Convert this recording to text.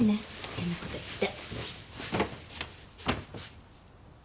変なこと言って。